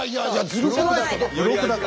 ずるくないですか？